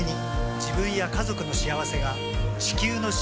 自分や家族の幸せが地球の幸せにつながっている。